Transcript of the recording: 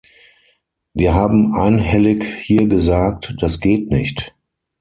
Wir haben einhellig hier gesagt, das geht nicht.